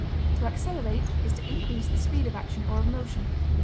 To accelerate is to increase the speed of action or of motion.